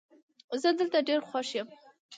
زه دلته ډېر خوښ یم